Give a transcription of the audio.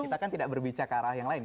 kita kan tidak berbicara yang lain